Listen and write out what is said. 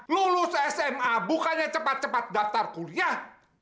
lulus sma bukannya cepat cepat daftar kuliah